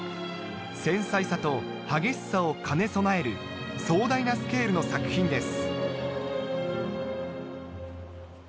繊細さと激しさを兼ね備える壮大なスケールの作品です